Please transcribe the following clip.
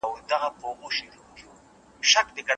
ویره یو ذهني حالت دی.